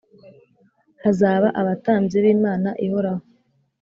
Hazaba abatambyi b’ Imana ihoraho